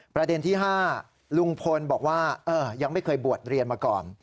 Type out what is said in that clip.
ประเด็นที่๕ลุงพลบอกว่ายังไม่เคยบวชเรียนมาก่อน